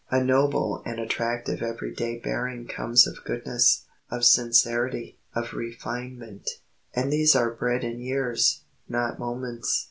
A noble and attractive every day bearing comes of goodness, of sincerity, of refinement, and these are bred in years, not moments.